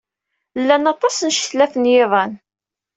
Llant aṭas n ccetlat n yiḍan.